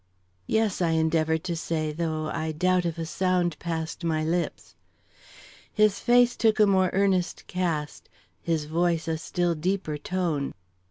"Yes," I endeavored to say, though I doubt if a sound passed my lips. His face took a more earnest cast, his voice a still deeper tone.